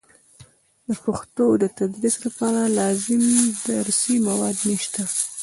د پښتو د تدریس لپاره لازم درسي مواد نشته.